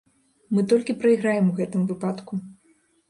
Мы толькі прайграем у гэтым выпадку.